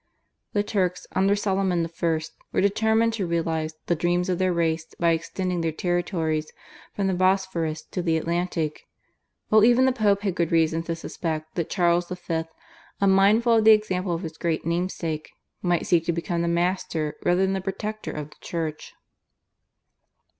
The Turks under Soliman I. were determined to realise the dreams of their race by extending their territories from the Bosphorus to the Atlantic; while even the Pope had good reason to suspect that Charles V., unmindful of the example of his great namesake, might seek to become the master rather than the protector of the Church.